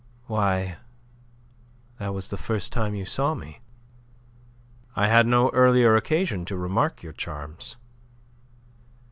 "Why, that was the first time you saw me." "I had no earlier occasion to remark your charms."